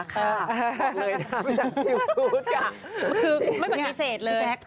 ไม่มีแม้เชษเลย